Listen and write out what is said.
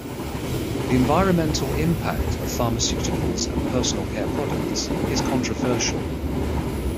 The environmental impact of pharmaceuticals and personal care products is controversial.